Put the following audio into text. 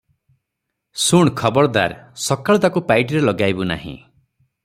ଶୁଣ, ଖବରଦାର! ସକାଳୁ ତାକୁ ପାଇଟିରେ ଲଗାଇବୁ ନାହିଁ ।